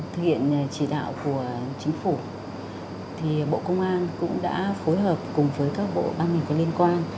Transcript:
thực hiện chỉ đạo của chính phủ bộ công an cũng đã phối hợp cùng với các bộ ban ngành có liên quan